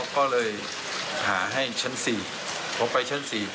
ก็เลยหาให้ชั้น๔ผมไปชั้น๔